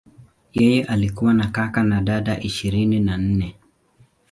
Yeye alikuwa na kaka na dada ishirini na nne.